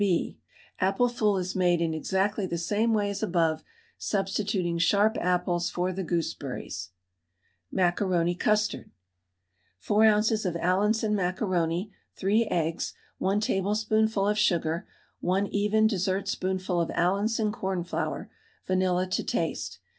B. Apple fool is made in exactly the same way as above, substituting sharp apples for the gooseberries. MACARONI CUSTARD. 4 oz. of Allinson macaroni, 3 eggs, 1 tablespoonful of sugar, 1 even dessertspoonful of Allinson cornflour, vanilla to taste.